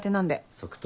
即答？